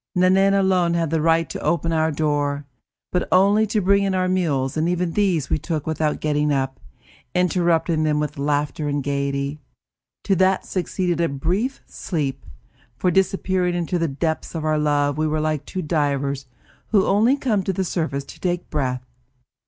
Nanine alone had the right to open our door, but only to bring in our meals and even these we took without getting up, interrupting them with laughter and gaiety. To that succeeded a brief sleep, for, disappearing into the depths of our love, we were like two divers who only come to the surface to take breath.